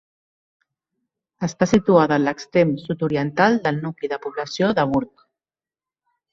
Està situada a l'extrem sud-oriental del nucli de població de Burg.